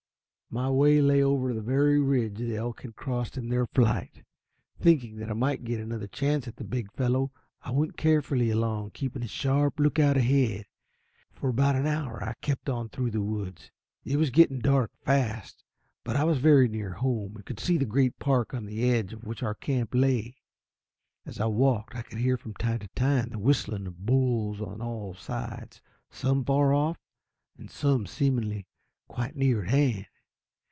My way lay over the very ridge the elk had crossed in their flight. Thinking that I might get another chance at the big fellow, I went carefully along, keeping a sharp lookout ahead. For about an hour I kept on through the woods. It was getting dark fast, but I was very near home, and could see the great park on the edge of which our camp lay. As I walked, I could hear from time to time the whistling of bulls on all sides; some far off, and some seemingly quite near at hand.